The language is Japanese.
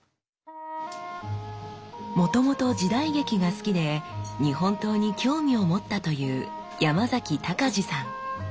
もともと時代劇が好きで日本刀に興味を持ったという山崎隆司さん。